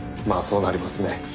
まあそうなりますね。